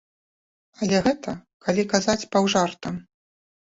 Але гэта калі казаць паўжартам.